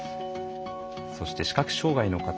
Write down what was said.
そして視覚障害の方。